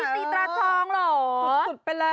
ตีตราทองเหรอ